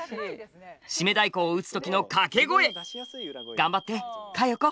締太鼓を打つ時の掛け声頑張って佳代子！